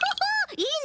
いいね！